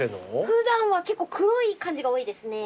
普段は結構黒い感じが多いですね。